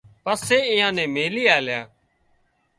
پسي ايئان نين ميلِي آليا